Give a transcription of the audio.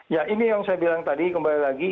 ya ini yang saya bilang tadi kembali lagi